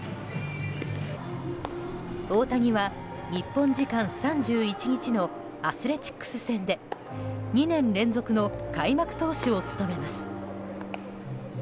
大谷は日本時間３１日のアスレチックス戦で２年連続の開幕投手を務めます。